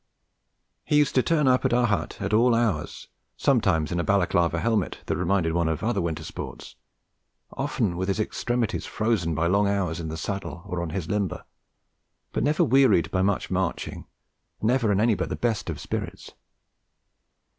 He used to turn up at our hut at all hours, sometimes in a Balaclava helmet that reminded one of other winter sports, often with his extremities frozen by long hours in the saddle or on his limber, but never wearied by much marching and never in any but the best of spirits.